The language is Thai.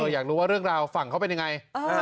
อยากรู้ว่าเรื่องราวฝั่งเขาเป็นยังไง